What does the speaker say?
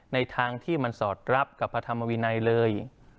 ในทางที่มันสอดรับกับพระธรรมวินัยเลย